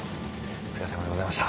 お疲れさまでございました。